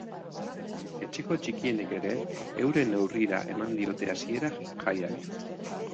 Etxeko txikienek ere euren neurrira eman diote hasiera jaiari.